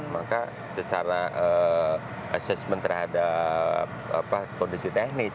maka secara assessment terhadap kondisi teknis